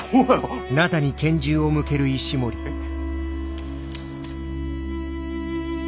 えっ。